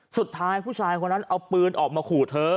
ผู้ชายคนนั้นเอาปืนออกมาขู่เธอ